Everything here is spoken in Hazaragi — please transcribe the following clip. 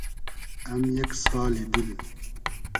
ام یئگ سالی دیل